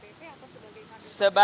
sebagai pengurus dpp pak